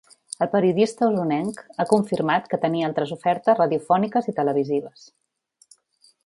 El periodista osonenc ha confirmat que tenia altres ofertes radiofòniques i televisives.